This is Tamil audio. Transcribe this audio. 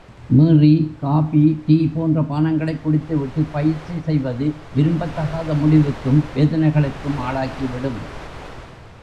மீறி காபி, டீ, போன்ற பானங்களைக் குடித்து விட்டு பயிற்சி செய்வது விரும்பத்தகாத முடிவுக்கும் வேதனைகளுக்கும் ஆளாக்கிவிடும்.